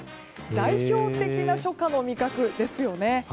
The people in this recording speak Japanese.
代表的な初夏の味覚ですよね。